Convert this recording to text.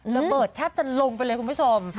ระเบิดแทบจะลงไปเลยคุณผู้ชม